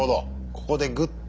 ここでグッと。